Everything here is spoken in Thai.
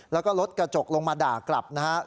แล้วก็รถกระจกลงมาด่ากลับนะครับ